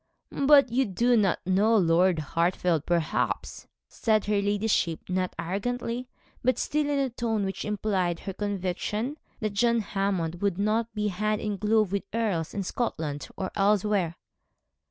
'But you do not know Lord Hartfield, perhaps,' said her ladyship, not arrogantly, but still in a tone which implied her conviction that John Hammond would not be hand in glove with earls, in Scotland or elsewhere.